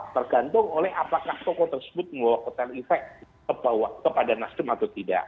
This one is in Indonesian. tergantung oleh apakah tokoh tersebut membawa kotel efek kepada nasdem atau tidak